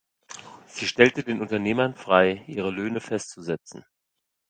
Sie stellte den Unternehmern frei, ihre Löhne festzusetzen.